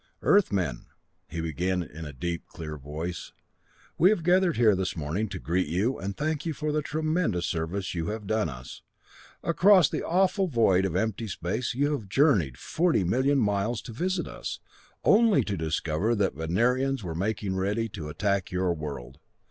"Earthmen," he began in a deep, clear voice, "we have gathered here this morning to greet you and thank you for the tremendous service you have done us. Across the awful void of empty space you have journeyed forty million miles to visit us, only to discover that Venerians were making ready to attack your world.